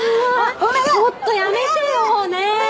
ちょっとやめてよねえ